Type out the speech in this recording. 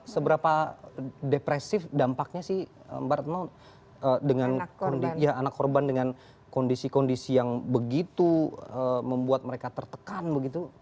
seberapa depresif dampaknya sih mbak retno dengan anak korban dengan kondisi kondisi yang begitu membuat mereka tertekan begitu